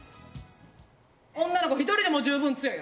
女の子１人でも十分に強いよ。